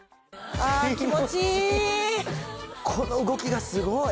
この動きがすごい。